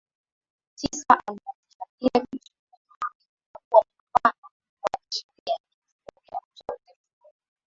tisa alianzisha kile kilichokuja kugeuka kuwa mapambano makubwa ya kisheria ya kihistoriaUchaguzi huo